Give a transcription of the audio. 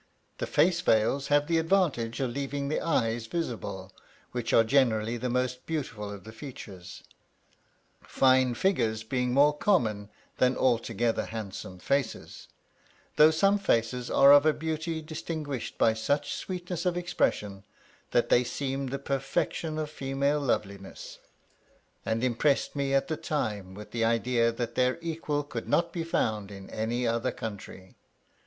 The face veils have the advantage of leaving the eyes visible, which are generally the most beautiful of the features; fine figures being more common than altogether handsome faces; though some faces are of a beauty distinguished by such sweetness of expression that they seem the perfection of female loveliness, "and impressed me at the time with the idea that their equal could not be found in any other country."